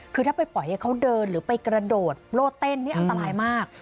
คือถ้าไปปล่อยให้เขาเดินหรือไปกระโดดโลดเต้นนี่อันตรายมาก